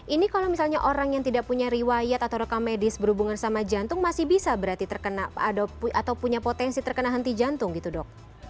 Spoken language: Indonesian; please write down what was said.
ini kalau misalnya orang yang tidak punya riwayat atau rekam medis berhubungan sama jantung masih bisa berarti terkena atau punya potensi terkena henti jantung gitu dok